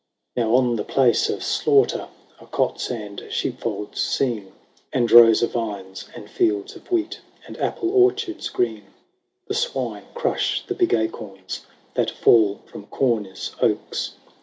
III. Now on the place of slaughter Are cots and sheepfolds seen. And rows of vines, and fields of wheat, ] And apple orchards green : The swine crush the big acorns That fall from Corne's oaks.